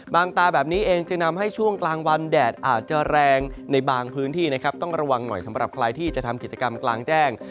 ตาแบบนี้เองจึงทำให้ช่วงกลางวันแดดอาจจะแรงในบางพื้นที่นะครับต้องระวังหน่อยสำหรับใครที่จะทำกิจกรรมกลางแจ้ง